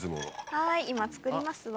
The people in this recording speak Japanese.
はい今作りますわ。